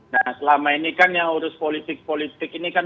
nah selama ini kan yang urus politik politik ini kan